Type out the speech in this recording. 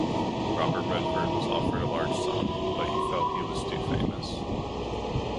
Robert Redford was offered a large sum, but felt he was too famous.